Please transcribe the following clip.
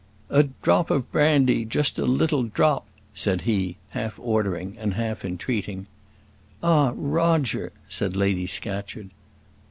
"A drop of brandy just a little drop," said he, half ordering, and half entreating. "Ah, Roger!" said Lady Scatcherd.